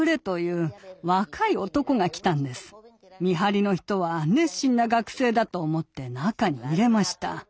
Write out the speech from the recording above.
見張りの人は「熱心な学生だ」と思って中に入れました。